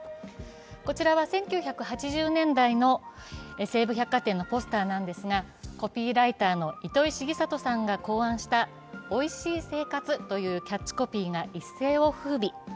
こちらは１９８０年代の西武百貨店のポスターなんですが、コピーライターの糸井重里さんが考案した「おいしい生活」というキャッチコピーが一世をふうび。